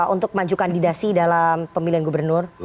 untuk maju kandidasi dalam pemilihan gubernur